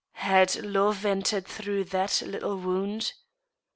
Had love entered through that little wound